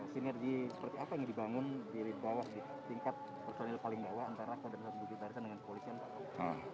sinergi seperti apa yang dibangun di tingkat personil paling bawah antara kodam satu bukit barisan dengan polisian